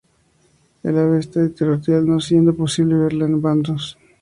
Esta ave es territorial, no siendo posible verla en bandos.